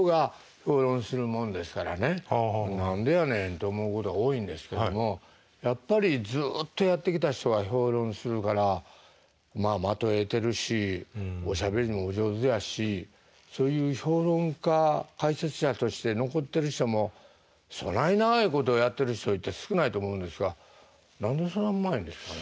「何でやねん」と思うことが多いんですけどもやっぱりずっとやってきた人が評論するからまあ的を射てるしおしゃべりもお上手やしそういう評論家解説者として残ってる人もそない長いことやってる人って少ないと思うんですが何でそんなうまいんですかね？